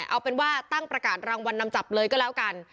เอาเป็นว่าตั้งประกาศรางวัลนำจับเลยก็แล้วกัน